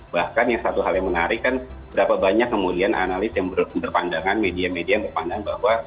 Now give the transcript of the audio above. bahkan yang satu hal yang menarik kan berapa banyak kemudian analis yang berpandangan media media yang berpandang bahwa